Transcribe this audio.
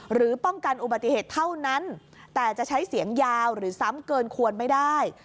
หรือป้องกันอุบัติเหตุเท่านั้นแต่จะใช้เสียงยาวหรือซ้ำเกินควรไม่ได้